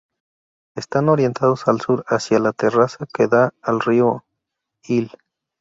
Están orientados al sur, hacia la terraza que da al río Ill.